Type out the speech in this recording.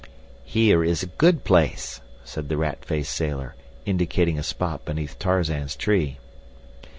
"Here is a good place," said the rat faced sailor, indicating a spot beneath Tarzan's tree.